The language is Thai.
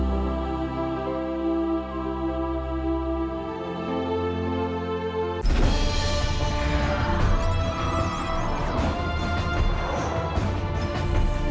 ใครจะไปเสี่ยงเหนื่อยเมื่อมัน